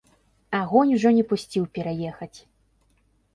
Агонь ужо не пусціў пераехаць.